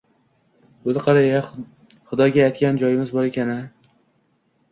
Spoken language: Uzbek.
Buni qara-ya, Xudoga aytgan joyimiz bor ekan-a?